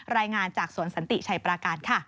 รายงานจากสวนสันติชัยปราการค่ะ